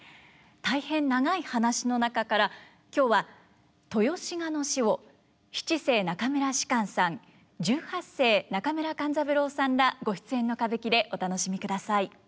大変長い話の中から今日は「豊志賀の死」を七世中村芝翫さん十八世中村勘三郎さんらご出演の歌舞伎でお楽しみください。